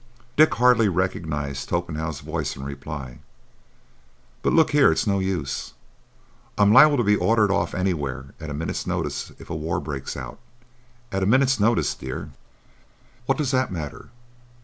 Dick hardly recognised Torpenhow's voice in reply—"But look here. It's no use. I'm liable to be ordered off anywhere at a minute's notice if a war breaks out. At a minute's notice—dear." "What does that matter?